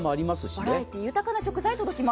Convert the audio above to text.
バラエティー豊かに届きます。